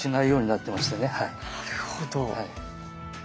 なるほど。